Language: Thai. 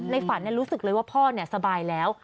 ฝันรู้สึกเลยว่าพ่อสบายแล้ว